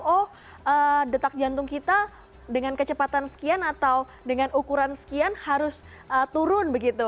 oh detak jantung kita dengan kecepatan sekian atau dengan ukuran sekian harus turun begitu